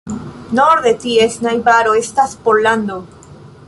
Norde ties najbaro estas Pollando.